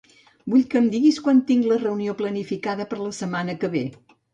Vull que em diguis quan tinc la reunió planificada per la setmana que ve.